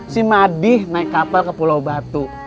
si madi naik kapal ke pulau batu